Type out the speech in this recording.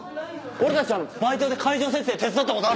俺たちはバイトで会場設営手伝ったことあるぞ。